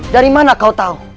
dari mana kau tahu